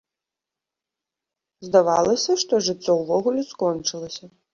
Здавалася, што жыццё ўвогуле скончылася.